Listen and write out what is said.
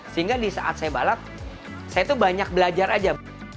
sehingga di saat saya balap saya tuh banyak belajar aja